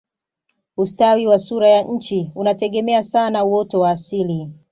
ustawi wa sura ya nchi unategemea sana uoto wa asili